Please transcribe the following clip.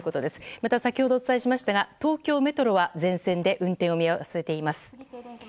また、先ほどお伝えしましたが東京メトロは全線で運転を見合わせています。